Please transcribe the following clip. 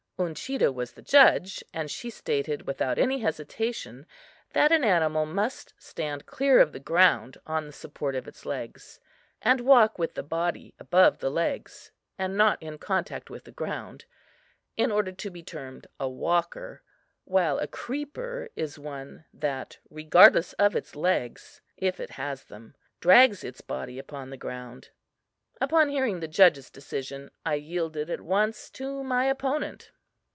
Uncheedah was the judge, and she stated, without any hesitation, that an animal must stand clear of the ground on the support of its legs, and walk with the body above the legs, and not in contact with the ground, in order to be termed a walker; while a creeper is one that, regardless of its legs, if it has them, drags its body upon the ground. Upon hearing the judge's decision, I yielded at once to my opponent.